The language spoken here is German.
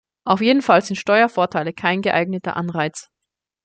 Auf jeden Fall sind Steuervorteile kein geeigneter Anreiz.